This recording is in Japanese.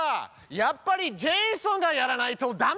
やっぱりジェイソンがやらないとダメです！